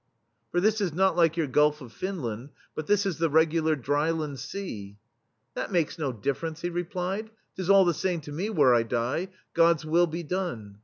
79 ] THE STEEL FLEA for this is not like your Gulf of Fin land, but this is the regular Dryland Sea." * "That makes no difference/' he re plied; "*tis all the same to me where I die ; God's will be done.